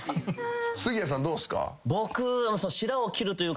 杉谷さんどうっすか？